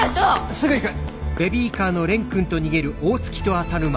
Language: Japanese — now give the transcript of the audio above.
すぐ行く！